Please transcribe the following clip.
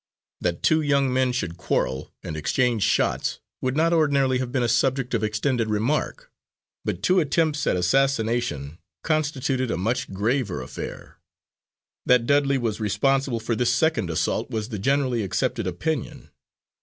That two young men should quarrel, and exchange shots, would not ordinarily have been a subject of extended remark. But two attempts at assassination constituted a much graver affair. That Dudley was responsible for this second assault was the generally accepted opinion.